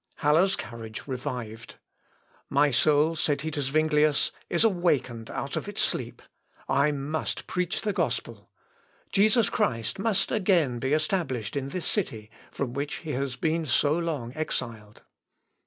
Haller's courage revived. "My soul," said he to Zuinglius, "is awakened out of its sleep. I must preach the gospel. Jesus Christ must again be established in this city, from which he has been so long exiled."